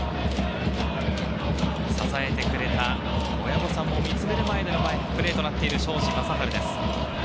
支えてくれた親御さんも見つめる前でのプレーとなっている庄司壮晴です。